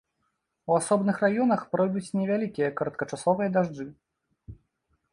У асобных раёнах пройдуць невялікія кароткачасовыя дажджы.